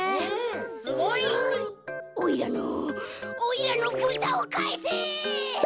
「おいらのおいらのブタをかえせ！」。